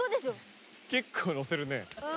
結構載せるね。